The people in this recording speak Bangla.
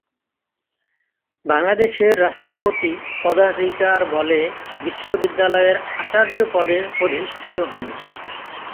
বাংলাদেশের রাষ্ট্রপতি পদাধিকার বলে বিশ্ববিদ্যালয়ের আচার্য পদে অধিষ্ঠিত হন।